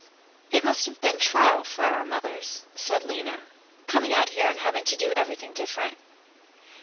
"It must have been a trial for our mothers," said Lena, "coming out here and having to do everything different.